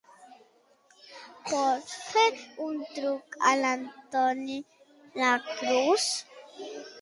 Pots fer un truc a l'Antoni La Cruz?